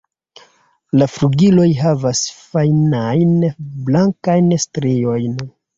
La flugiloj havas fajnajn blankajn striojn.